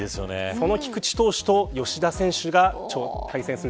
その菊池投手と吉田選手が対戦します。